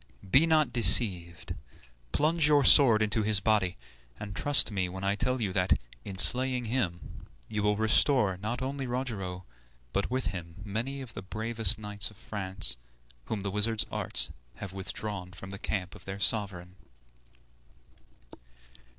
Be not deceived, plunge your sword into his body, and trust me when I tell you that, in slaying him, you will restore not only Rogero, but with him many of the bravest knights of France, whom the wizard's arts have withdrawn from the camp of their sovereign."